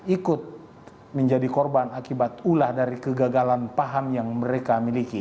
ikut menjadi korban akibat ulah dari kegagalan paham yang mereka miliki